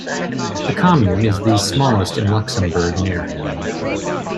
The commune is the smallest in Luxembourg in area.